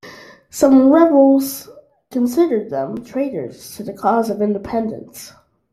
Some Rebels considered them traitors to the cause of Independence.